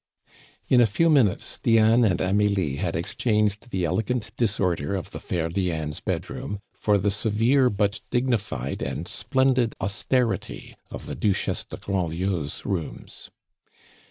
In a few minutes Diane and Amelie had exchanged the elegant disorder of the fair Diane's bedroom for the severe but dignified and splendid austerity of the Duchesse de Grandlieu's rooms.